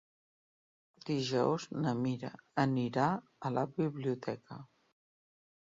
Dijous na Mira anirà a la biblioteca.